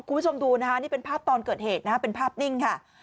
คุณผู้ชมดูนะคะนี่เป็นภาพตอนเกิดเหตุนะฮะเป็นภาพนิ่งค่ะ